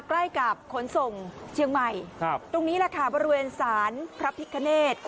ใกล้กับขนสงศ์เชียงใหม่ครับตรงนี้ล่ะค่ะบริเวณสารพระพิฆเนต